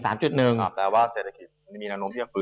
แสดงว่าเศรษฐกิจมีอนาคตเพิ่มขึ้นตัว